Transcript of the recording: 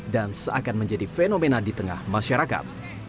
dan seakan menjadi fenomena di tengah masyarakat